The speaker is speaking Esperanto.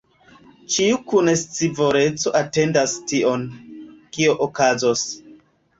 Ĉiu kun scivoleco atendas tion, kio okazos.